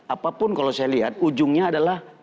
apapun kalau saya lihat ujungnya adalah